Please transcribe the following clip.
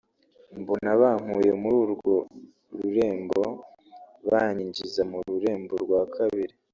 Mbona bankuye muri urwo rurembo banyinjiza mu rurembo rwa kabiri